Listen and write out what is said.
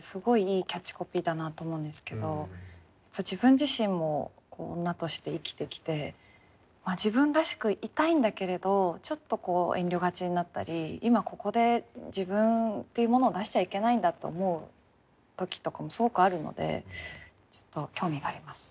自分自身も女として生きてきて自分らしくいたいんだけれどちょっと遠慮がちになったり今ここで自分っていうものを出しちゃいけないんだと思う時とかもすごくあるのでちょっと興味があります。